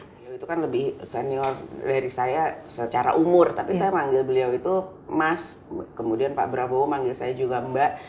beliau itu kan lebih senior dari saya secara umur tapi saya manggil beliau itu mas kemudian pak prabowo manggil saya juga mbak